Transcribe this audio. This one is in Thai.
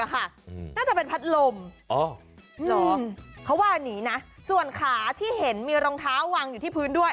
อ๋อเหรอเค้าว่านี้นะส่วนขาที่เห็นมีรองเท้าวางอยู่ที่พื้นด้วย